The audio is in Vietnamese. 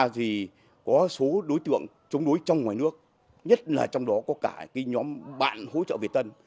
vậy là những đối tượng đã từng chống đối mà chúng ta đã bắt xử lý chống đối khác